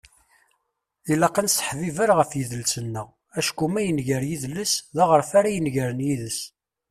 Ilaq ad nesseḥbiber ɣef yidles-nneɣ. Acku ma yenger yidles, d aɣref ara inegren yid-s.